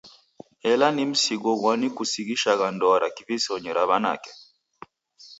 Ela ni msigo ghwani kusighisha ndoa ra kivisonyi ra w'anake?